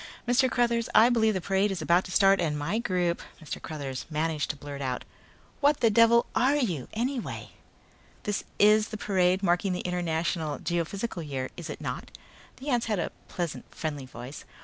"Mr. Cruthers, I believe the parade is about to start and my group " Mr. Cruthers managed to blurt out. "What the devil are you anyway!" "This is the parade marking the International Geophysical Year, is it not?" The ant had a pleasant, friendly voice.